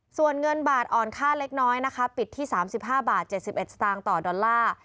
ส่วนเงินบาทอ่อนค่าเล็กน้อยนะคะปิดที่๓๕บาท๗๑สตางค์ต่อดอลลาร์